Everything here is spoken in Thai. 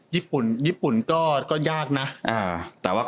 ยิปุ่นยิปุ่นก็ยากนะ